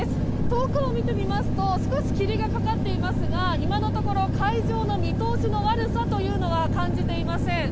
遠くを見てみますと少し霧がかかっていますが今のところ海上の見通しの悪さというのは感じていません。